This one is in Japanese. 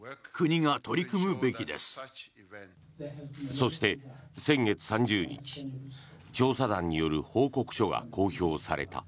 そして、先月３０日調査団による報告書が公表された。